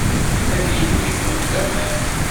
Ad yeg deg-went laman.